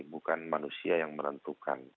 bukan manusia yang merentukan